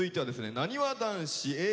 なにわ男子Ａぇ！